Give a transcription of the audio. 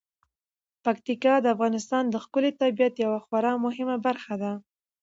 پکتیکا د افغانستان د ښکلي طبیعت یوه خورا مهمه برخه ده.